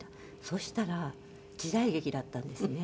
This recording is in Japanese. そしたら時代劇だったんですね。